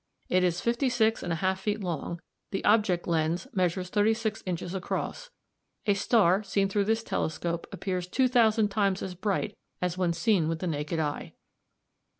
It is fifty six and a half feet long, the object lens measures thirty six inches across. A star seen through this telescope appears 2000 times as bright as when seen with the naked eye.